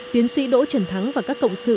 tiến sĩ đỗ trần thắng và các cộng sự